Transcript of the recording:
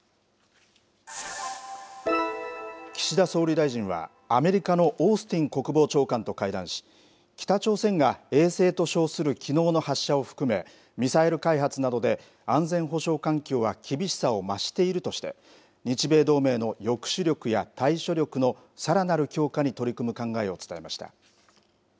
岸田総理大臣はアメリカのオースティン国防長官と会談し北朝鮮が衛星と称する昨日の発射を含めミサイル開発などで安全保障環境は厳しさを増しているとして日米同盟の抑止力や対処力のさらなる強化に取り組む考えを伝えました。